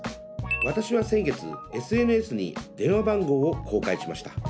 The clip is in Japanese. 私は先月、ＳＮＳに電話番号を公開しました。